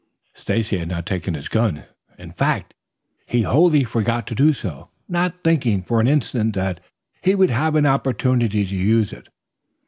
Stacy had not taken his gun. In fact, he wholly forgot to do so, not thinking for an instant that he would have opportunity to use it.